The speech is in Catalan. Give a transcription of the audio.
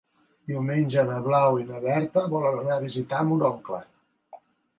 Diumenge na Blau i na Berta volen anar a visitar mon oncle.